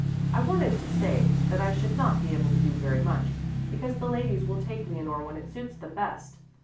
I wanted to say that I should not be able to do very much, because the ladies will take Leonore when it suits them best.